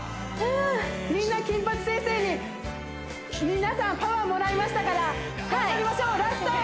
みんな金八先生に皆さんパワーもらいましたから頑張りましょうラスト！